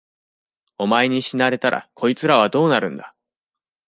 お前に死なれたら、こいつらはどうなるんだ。